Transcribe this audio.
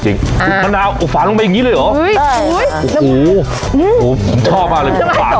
จริงมันเอาฝาลงไปอย่างงี้เลยเหรอได้โอ้โหชอบมากเลยฝาด้วยจริง